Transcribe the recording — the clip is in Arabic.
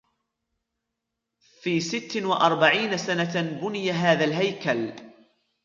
في ست وأربعين سنة بني هذا الهيكل.